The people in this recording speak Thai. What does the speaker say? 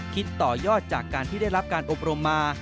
ต่อยอดจากการที่ได้รับการอบรมมา